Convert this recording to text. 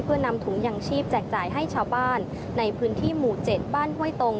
เพื่อนำถุงยังชีพแจกจ่ายให้ชาวบ้านในพื้นที่หมู่๗บ้านห้วยตรง